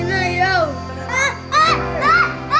nhưng mà bố mẹ